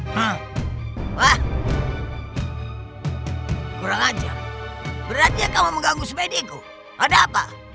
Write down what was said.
kurang aja beratnya kamu mengganggu sepediku ada apa